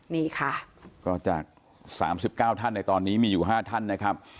นี่ค่ะก็จากสามสิบเก้าท่านในตอนนี้มีอยู่ห้าท่านนะครับ